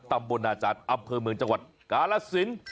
ตำบลนาจันทร์อำเภอเมืองจังหวัดกาลสิน